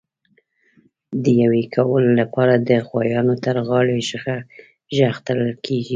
د یویې کولو لپاره د غوایانو تر غاړي ژغ تړل کېږي.